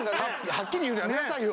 はっきり言うのやめなさいよ！